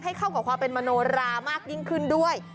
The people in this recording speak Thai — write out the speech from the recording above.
เข้ากับความเป็นมโนรามากยิ่งขึ้นด้วย